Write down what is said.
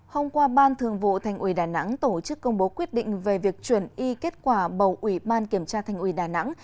hôm qua ban thường vụ thành ủy đà nẵng tổ chức công bố quyết định về việc chuyển y kết quả bầu ủy ban kiểm tra thành ủy đà nẵng